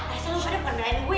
esok lo pada pendahin gue